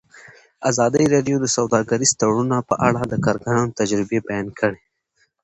ازادي راډیو د سوداګریز تړونونه په اړه د کارګرانو تجربې بیان کړي.